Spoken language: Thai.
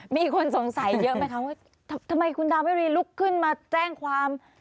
มีคนสงสัยเยอะไหมคะว่าทำไมคุณดาวิรีลุกขึ้นมาแจ้งความ